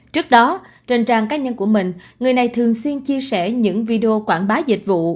trước đó trên trang cá nhân của mình người này thường xuyên chia sẻ những video quảng bá dịch vụ